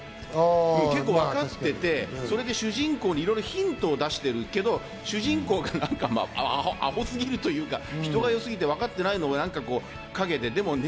結構わかっていて、主人公にヒントを出しているけど、主人公がアホすぎるというか、人が良すぎてわかってないのを、陰でね。